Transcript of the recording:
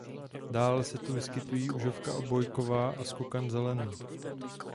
Dále se tu vyskytují užovka obojková a skokan zelený.